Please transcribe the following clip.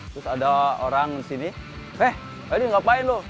terus ada orang sini eh ini ngapain loh